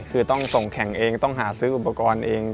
คือต้องส่งแข่งเองต้องหาซื้ออุปกรณ์เอง